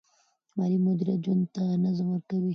مالي مدیریت ژوند ته نظم ورکوي.